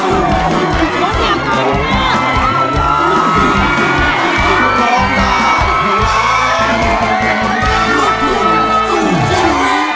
ร้องได้